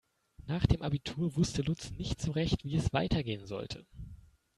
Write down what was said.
Nach dem Abitur wusste Lutz nicht so recht, wie es weitergehen sollte.